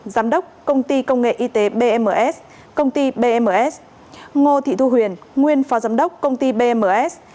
giám đốc công ty công nghệ y tế bms công ty bms ngô thị thu huyền nguyên phó giám đốc công ty bms